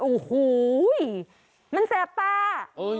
โอ้โหมันแสบตา